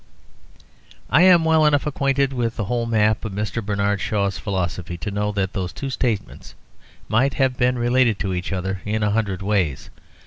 I am well enough acquainted with the whole map of Mr. Bernard Shaw's philosophy to know that those two statements might have been related to each other in a hundred ways.